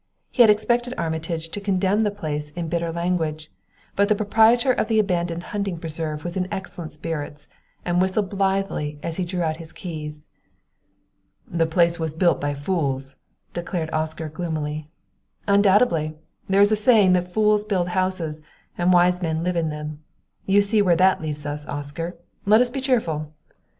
He had expected Armitage to condemn the place in bitter language, but the proprietor of the abandoned hunting preserve was in excellent spirits, and whistled blithely as he drew out his keys. "The place was built by fools," declared Oscar gloomily. "Undoubtedly! There is a saying that fools build houses and wise men live in them you see where that leaves us, Oscar. Let us be cheerful!"